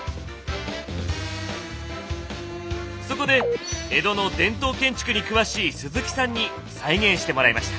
そこで江戸の伝統建築に詳しい鈴木さんに再現してもらいました。